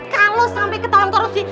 kalo sampe ketahuan korupsi